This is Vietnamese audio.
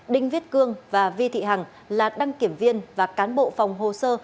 đinh viết cương và vi thị hằng là đăng kiểm viên và cán bộ phòng hồ sơ